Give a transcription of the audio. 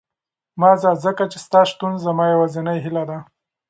مه ځه، ځکه چې ستا شتون زما یوازینۍ هیله ده.